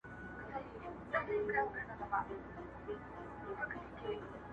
لمرینو وړانګو ته به نه ځلیږي،